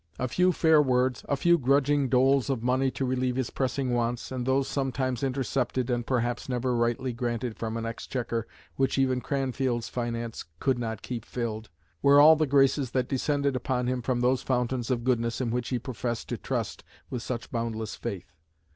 A few fair words, a few grudging doles of money to relieve his pressing wants, and those sometimes intercepted and perhaps never rightly granted from an Exchequer which even Cranfield's finance could not keep filled, were all the graces that descended upon him from those fountains of goodness in which he professed to trust with such boundless faith.